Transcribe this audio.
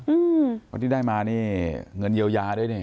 เพราะที่ได้มานี่เงินเยียวยาด้วยนี่